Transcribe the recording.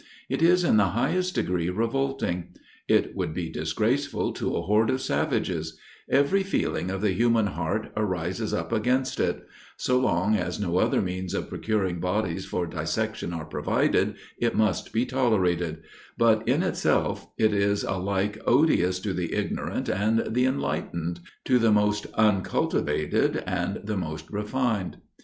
It is in the highest degree revolting; it would be disgraceful to a horde of savages; every feeling of the human heart rises up against it: so long as no other means of procuring bodies for dissection are provided, it must be tolerated; but, in itself, it is alike odious to the ignorant and the enlightened, to the most uncultivated and the most refined.